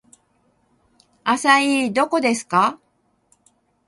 アサイーどこですか